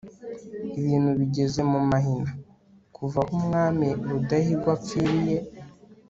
ibintu bigeze mu mahina, kuva aho umwami rudahigwa apfiiriye